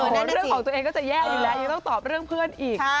นั่นเรื่องของตัวเองก็จะแย่อยู่แล้วยังต้องตอบเรื่องเพื่อนอีก